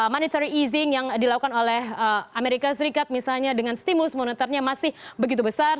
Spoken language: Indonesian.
monitory easing yang dilakukan oleh amerika serikat misalnya dengan stimulus moneternya masih begitu besar